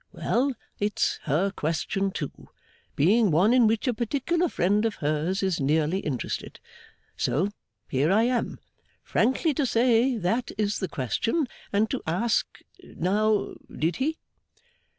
Well! It's her question, too; being one in which a particular friend of hers is nearly interested. So here I am, frankly to say that is the question, and to ask, Now, did he?